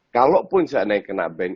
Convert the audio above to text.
kalaupun seandainya kena ban